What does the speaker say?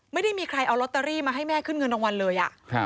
ไม่ได้มีใครเอาลอตเตอรี่มาให้แม่ขึ้นเงินรางวัลเลย